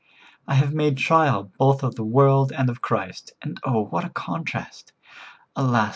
I have made trial both of the world and of Christ, and oh, what a contrast! Alas!